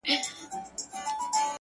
• چي مي په کلیو کي بلا لنګه سي,